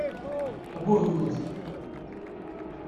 Abuhyut!